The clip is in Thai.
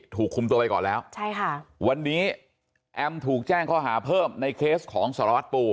ถูกคุมตัวไปก่อนแล้วใช่ค่ะวันนี้แอมถูกแจ้งข้อหาเพิ่มในเคสของสารวัตรปู